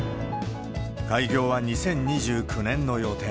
開業は２０２９年の予定。